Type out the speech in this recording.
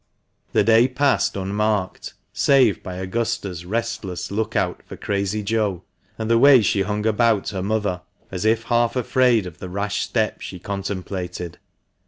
The day passed unmarked save by Augusta's restless look out for Crazy Joe, and the way she hung about her mother, as if half afraid of the rash step she contemplated.